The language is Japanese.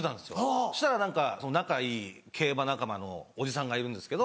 そしたら何か仲いい競馬仲間のおじさんがいるんですけど。